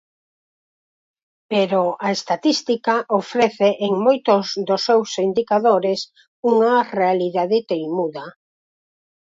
Pero a estatística ofrece en moitos dos seus indicadores unha realidade teimuda.